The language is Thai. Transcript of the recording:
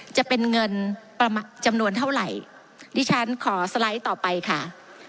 จะเป็นเงินประมาณจำนวนเท่าไหร่ดิฉันขอสไลด์ต่อไปค่ะ